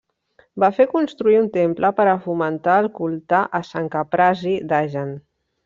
Va fer construir un temple per a fomentar el culte a Sant Caprasi d'Agen.